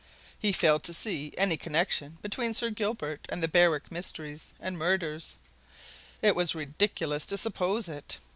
He failed to see any connection between Sir Gilbert and the Berwick mysteries and murders; it was ridiculous to suppose it.